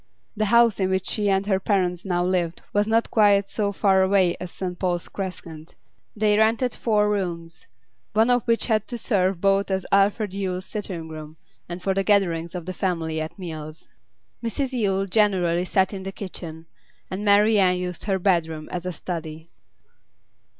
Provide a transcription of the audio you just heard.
The house in which she and her parents now lived was not quite so far away as St Paul's Crescent; they rented four rooms, one of which had to serve both as Alfred Yule's sitting room and for the gatherings of the family at meals. Mrs Yule generally sat in the kitchen, and Marian used her bedroom as a study.